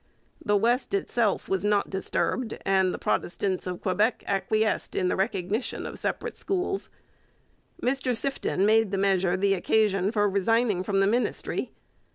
The West itself was not disturbed, and the Protestants of Quebec acquiesced in the recognition of separate schools. Mr Sifton made the measure the occasion for resigning from the Ministry.